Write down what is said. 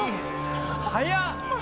早っ！